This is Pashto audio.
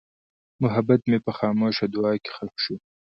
محبت مې په خاموشه دعا کې ښخ شو.